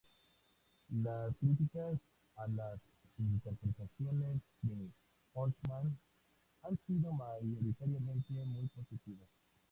Las críticas a las interpretaciones de Oldman han sido mayoritariamente muy positivas.